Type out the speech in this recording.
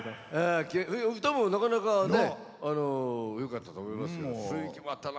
歌もなかなかね、よかったと思いますけど雰囲気出てたな。